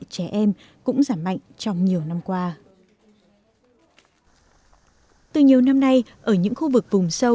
trẻ em cũng giảm mạnh trong nhiều năm qua từ nhiều năm nay ở những khu vực vùng sâu